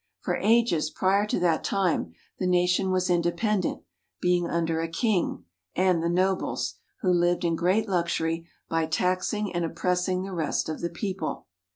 For ages prior to that time the nation was inde pendent, being under a king and the nobles, who lived in great luxury by taxing and oppressing the rest of the people.